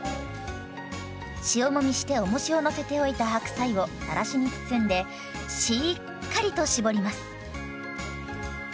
塩もみしておもしをのせておいた白菜をさらしに包んでしっかりと搾ります。